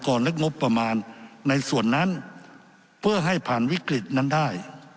ลึกงบประมาณในส่วนนั้นเพื่อให้ผ่านวิกฤตนั้นได้